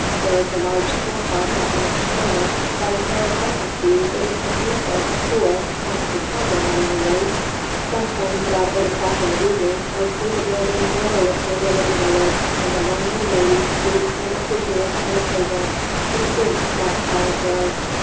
There is a large schoolhouse at the next corner, but as far as I can see, it is not used as a school, not for children, at any rate. Sometimes, about 8 o'clock in the evening, I see the building gloriously illuminated, and a lonely lady stooped and assiduous at a table. She seems quite solitary.